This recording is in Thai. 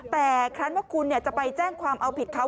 แต่ครั้นว่าคุณจะไปแจ้งความเอาผิดเขา